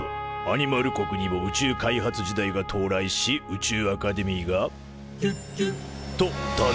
アニマル国にも宇宙開発時代が到来し宇宙アカデミーが「ギュギュッ」と誕生。